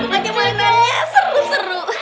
banyak banget bagaimana ya seru seru